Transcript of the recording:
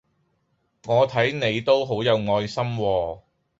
我睇你都好有愛心喎